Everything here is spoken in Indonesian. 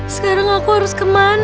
sekarang aku harus kemana